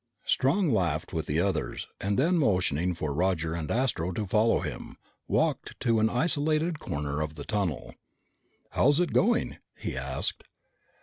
Strong laughed with the others, and then motioning for Roger and Astro to follow him, walked to an isolated corner of the tunnel. "How is it going?" he asked.